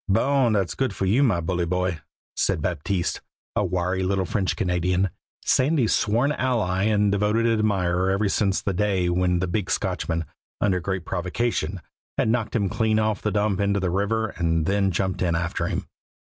"Bon! Dat's good for you, my bully boy," said Baptiste, a wiry little French Canadian, Sandy's sworn ally and devoted admirer ever since the day when the big Scotchman, under great provocation, had knocked him clean off the dump into the river and then jumped in for him.